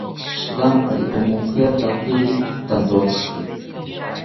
Shirampari omonkeitakiri tantotziki